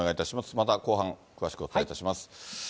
また後半、詳しくお伝えいたします。